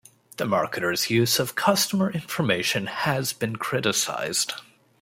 The marketers' use of customer information has been criticized.